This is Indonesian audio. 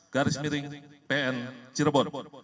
garis miring pn cirebon